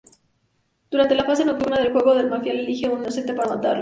Durante la fase nocturna del juego, la Mafia elige un inocente para matarlo.